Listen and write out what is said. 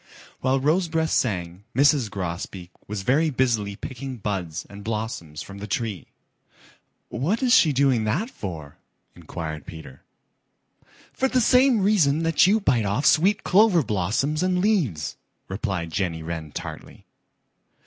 While Rosebreast sang, Mrs. Grosbeak was very busily picking buds and blossoms from the tree. "What is she doing that for?" inquired Peter. "For the same reason that you bite off sweet clover blossoms and leaves," replied Jenny Wren tartly.